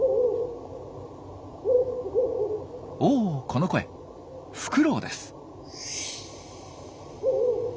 おおっこの声フクロウです。